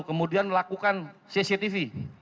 kemudian lakukan cctv